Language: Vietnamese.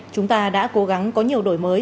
chúng ta đã cố gắng có nhiều đổi mới